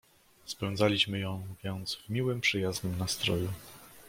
"Spędzaliśmy ją więc w miłym, przyjaznym nastroju."